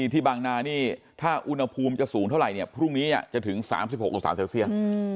ที่บางนานี่ถ้าอุณหภูมิจะสูงเท่าไหร่เนี่ยพรุ่งนี้จะถึง๓๖องศาเซลเซียส